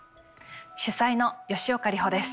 主宰の吉岡里帆です。